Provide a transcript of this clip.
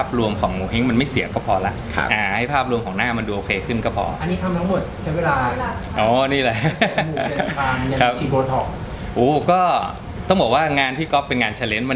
ประเด็นคือเดี๋ยวจะมีพวกดราม่านี่แหละ